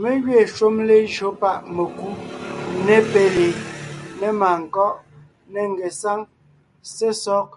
Mé gẅiin shúm lejÿo páʼ mekú , ne péli, ne màankɔ́ʼ, ne ngesáŋ, sesɔg;